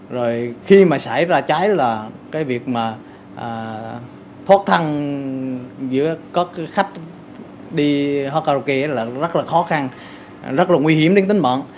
rồi khi mà xảy ra cháy là cái việc mà thoát thăng giữa các khách đi karaoke là rất là khó khăn rất là nguy hiểm đến tính mận